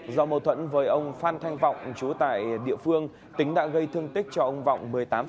do mâu thuẫn với ông phan thanh vọng chú tại địa phương tính đã gây thương tích cho ông vọng một mươi tám